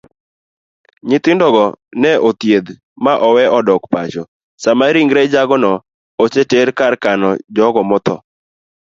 Nyithindogo ne othiedh maowe odok pacho sama ringre jagono oseter ekar kano jogo mothoo.